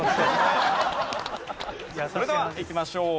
それではいきましょう。